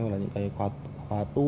hoặc là những khóa tu